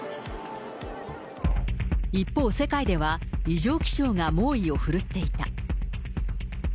一方、世界では異常気象が猛威を振るっていた。